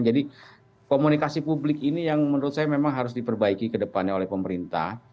jadi komunikasi publik ini yang menurut saya memang harus diperbaiki ke depannya oleh pemerintah